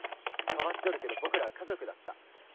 変わっとるけど僕らは家族だった。